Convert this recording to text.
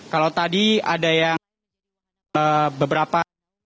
kalau tadi ada yang beberapa